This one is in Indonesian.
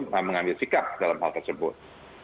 mengambil sikap dalam hal tersebut